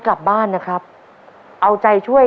ภายในเวลา๓นาที